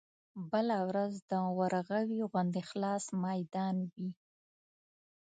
بله ورځ د ورغوي غوندې خلاص ميدان وي.